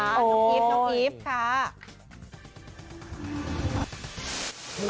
น้องอีฟค่ะ